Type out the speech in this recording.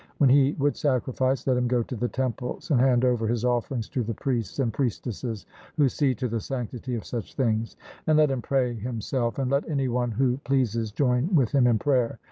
When he would sacrifice, let him go to the temples and hand over his offerings to the priests and priestesses, who see to the sanctity of such things, and let him pray himself, and let any one who pleases join with him in prayer.